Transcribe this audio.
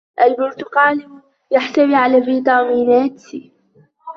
البرتقال يحتوي على فيتامين سي